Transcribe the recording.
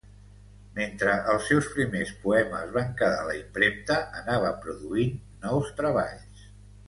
Mentre els seus primers poemes van quedar a la impremta, anava produint nous treballs.